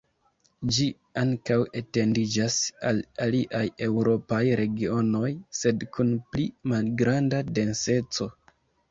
Ĝi ankaŭ etendiĝas al aliaj eŭropaj regionoj, sed kun pli malgranda denseco.